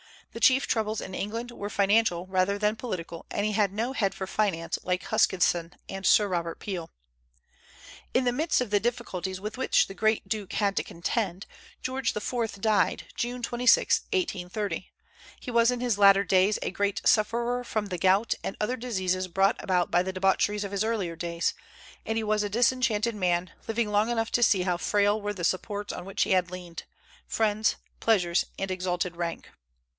The chief troubles in England were financial rather than political, and he had no head for finance like Huskisson and Sir Robert Peel. In the midst of the difficulties with which the great duke had to contend, George IV. died, June 26, 1830. He was in his latter days a great sufferer from the gout and other diseases brought about by the debaucheries of his earlier days; and he was a disenchanted man, living long enough to see how frail were the supports on which he had leaned, friends, pleasures, and exalted rank.